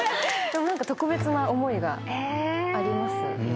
何か特別な思いがありますよね。